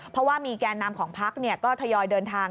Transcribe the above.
เพราะว่ามีแก่นำของพักก็ทยอยเดินทาง